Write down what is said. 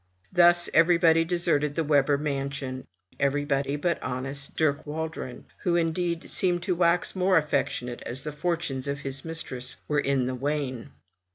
Thus everybody deserted the Webber mansion, everybody but honest Dirk Waldron, who indeed seemed to wax more affectionate as the fortunes of his mistress were in the wane.